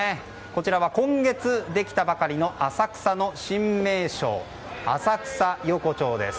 こちらは今月できたばかりの浅草の新名所浅草横丁です。